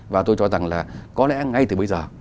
và tôi cho rằng là có lẽ ngay từ bây giờ